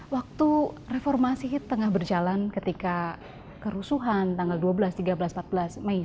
waktu reformasi itu tengah berjalan ketika kerusuhan tanggal dua belas tiga belas empat belas mei seribu sembilan ratus sembilan puluh delapan